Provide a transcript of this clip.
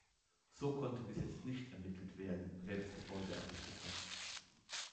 So konnte bis jetzt nicht ermittelt werden, wer das Gebäude errichtet hat.